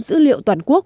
dữ liệu toàn quốc